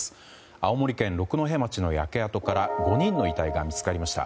青森県六戸町の焼け跡から５人の遺体が見つかりました。